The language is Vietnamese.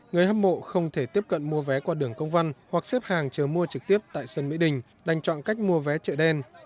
người hâm mộ không thể tiếp cận mua vé qua đường công văn hoặc xếp hàng chờ mua trực tiếp tại sân mỹ đình đành chọn cách mua vé chợ đen